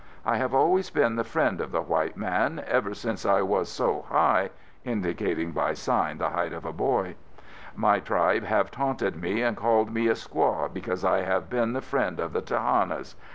I have always been the friend of the white man, ever since I was so high (indicating by sign the height of a boy). My tribe have taunted me and called me a squaw because I have been the friend of the Tehannas.